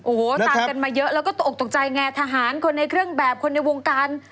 โอ้โหตามกันมาเยอะแล้วก็ตกออกตกใจไงทหารคนในเครื่องแบบคนในวงการ